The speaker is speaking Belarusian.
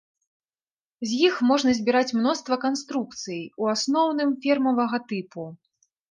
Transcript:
З іх можна збіраць мноства канструкцый, у асноўным фермавага тыпу.